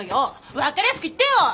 分かりやすく言ってよ！